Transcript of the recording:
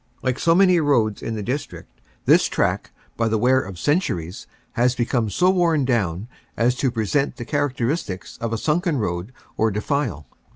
Like so many roads in the district, this track, by the wear of centuries, has become so worn down as to present the characteristics of a sunken road or defile.